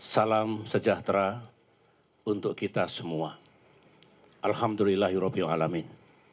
salam sejahtera untuk kita semua alhamdulillahirrohim alamin